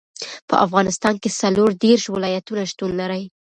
په افغانستان کې څلور دېرش ولایتونه شتون لري.